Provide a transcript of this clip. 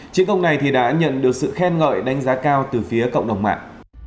chiến công này đã nhận được sự khen ngợi đánh giá cao từ phía cộng đồng mạng